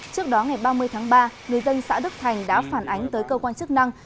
trước đó ngày ba mươi tháng ba người dân xã đức thành đã phản ánh tới cơ quan chức năng